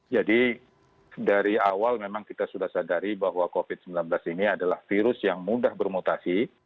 jadi dari awal memang kita sudah sadari bahwa covid sembilan belas ini adalah virus yang mudah bermutasi